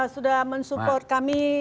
sudah mensupport kami